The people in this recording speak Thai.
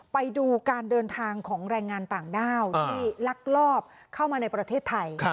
ไปดูการเดินทางของแรงงานต่างด้าวที่ลักลอบเข้ามาในประเทศไทย